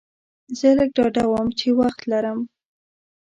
زه لږ ډاډه وم چې وخت لرم.